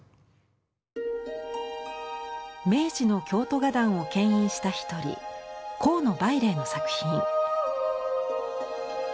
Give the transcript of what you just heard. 明治の京都画壇を牽引した一人幸野楳嶺の作品。